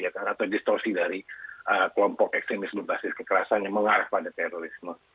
atau distorsi dari kelompok ekstremis berbasis kekerasan yang mengarah pada terorisme